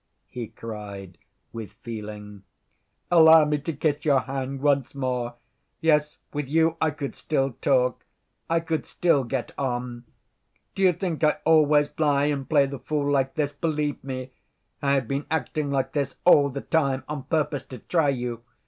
he cried, with feeling. "Allow me to kiss your hand once more. Yes, with you I could still talk, I could still get on. Do you think I always lie and play the fool like this? Believe me, I have been acting like this all the time on purpose to try you.